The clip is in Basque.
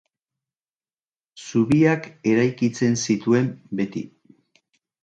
Zubiak eraikitzen zituen beti.